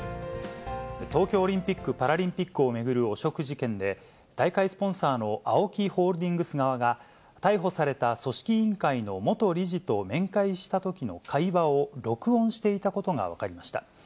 東京オリンピック・パラリンピックを巡る汚職事件で、大会スポンサーのＡＯＫＩホールディングス側が、逮捕された組織委員会の元理事と面会したときの会話を録音していたことが分かりました。